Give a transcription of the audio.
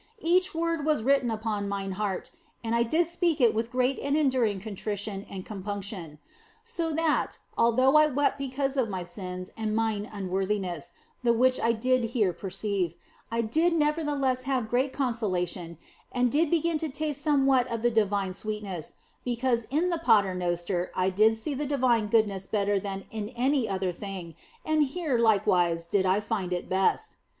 Each word was written upon mine heart and I did speak it with great and enduring contrition and compunction. So that, although I wept because of my sins and mine un worthiness (the which I did here perceive), I did never theless have great consolation and did begin to taste some what of the Divine sweetness, because in the Paternoster I did see the Divine goodness better than in any other thing, and here likewise did I find it best.